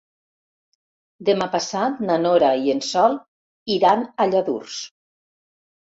Demà passat na Nora i en Sol iran a Lladurs.